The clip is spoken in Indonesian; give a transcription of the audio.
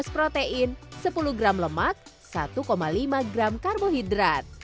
lima belas protein sepuluh gram lemak satu lima gram karbohidrat